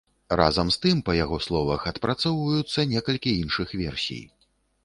Разам з тым, па яго словах, адпрацоўваюцца некалькі іншых версій.